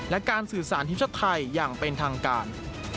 และการสื่อสารทีมชาติไทยอย่างเป็นทางการ